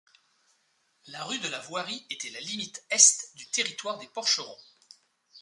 La rue de la Voirie était la limite est du territoire des Porcherons.